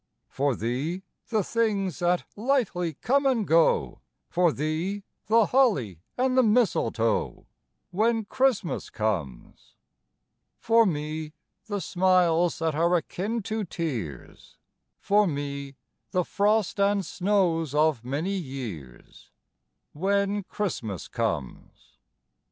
For thee, the things that lightly come and go, For thee, the holly and the mistletoe, When Christmas comes. For me, the smiles that are akin to tears, For me, the frost and snows of many years, When Christmas comes.